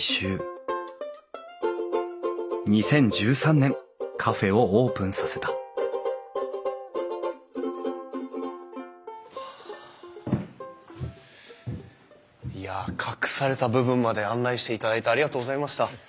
２０１３年カフェをオープンさせたいや隠された部分まで案内していただいてありがとうございました。